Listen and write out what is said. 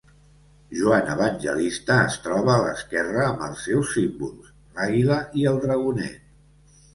Joan Evangelista es troba a l'esquerra amb els seus símbols: l'àguila i el dragonet.